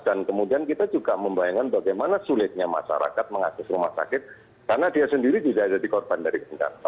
dan kemudian kita juga membayangkan bagaimana sulitnya masyarakat mengakses rumah sakit karena dia sendiri tidak ada dikorban dari pendatang